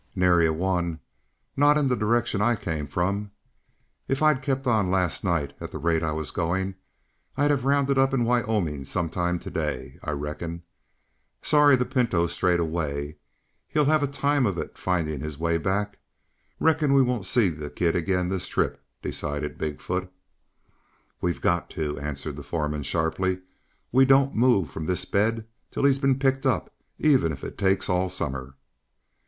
"Nary a one not in the direction I came from. If I'd kept on last night, at the rate I was going, I'd have rounded up in Wyoming some time to day I reckon. Sorry the Pinto's strayed away. He'll have a time of it finding his way back. Reckon we won't see the kid again this trip," decided Big foot. "We've got to," answered the foreman sharply. "We don't move from this bed till he's been picked up, even if it takes all summer."